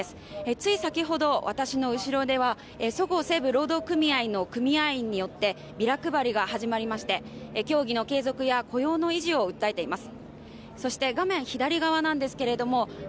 つい先ほど私の後ろではそごう・西武労働組合の組合員によってビラ配りが始まりまして鋭意協議の継続や雇用の維持を訴えています